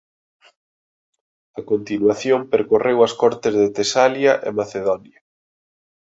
A continuación percorreu as cortes de Tesalia e Macedonia.